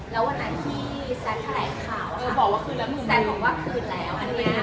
แล้ววันนั้นที่แซกแถลงข่าวค่ะแซกบอกว่าคืนแล้ว